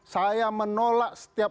saya menolak setiap